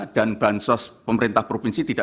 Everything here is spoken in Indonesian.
dan bahan sos pemerintah provinsi tidak